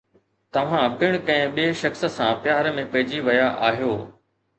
توهان پڻ ڪنهن ٻئي شخص سان پيار ۾ پئجي ويا آهيو